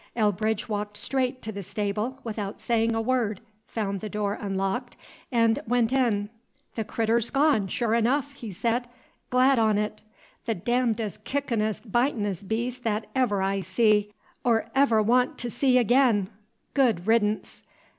Elbridge walked straight to the stable, without saying a word, found the door unlocked, and went in. "Th' critter's gone, sure enough!" he said. "Glad on 't! The darndest, kickin'est, bitin'est beast th't ever I see, 'r ever wan' t' see ag'in! Good reddance!